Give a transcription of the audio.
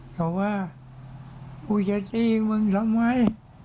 เขาว่ากูจะจี้มึงทำไม